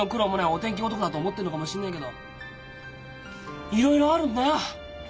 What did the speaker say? お天気男だと思ってんのかもしんねえけどいろいろあるんだよ。